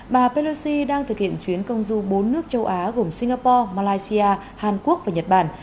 bà pelosi đang thực hiện chuyến công du bốn nước châu á gồm singapore malaysia hàn quốc và nhật bản